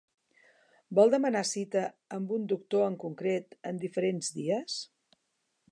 Vol demanar cita amb un doctor en concret en diferents dies?